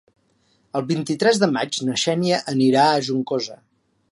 El vint-i-tres de maig na Xènia anirà a Juncosa.